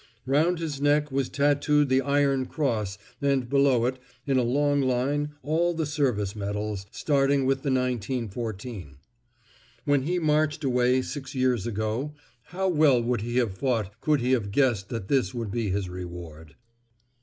Round his neck was tatooed the Iron Cross and below it, in a long line, all the service medals, starting with the 1914. When he marched away six years ago, how well would he have fought could he have guessed that this would be his reward?